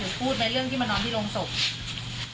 พูดไหมเรื่องที่มานอนที่โรงศพ